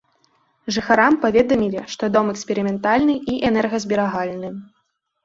Жыхарам паведамілі, што дом эксперыментальны і энергазберагальны.